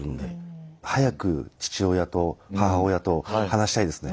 早く父親と母親と話したいですね。